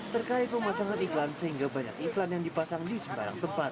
terkait pemasangan iklan sehingga banyak iklan yang dipasang di sebarang tempat